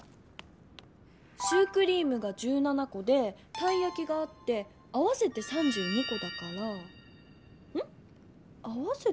シュークリームが１７こでたいやきがあって合わせて３２こだからん？